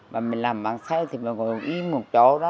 mà mình làm bàn xoay thì mình còn im một chỗ đó